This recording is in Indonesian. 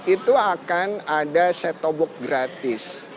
itu akan ada setobok gratis